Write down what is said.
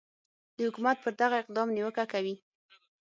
د حکومت پر دغه اقدام نیوکه کوي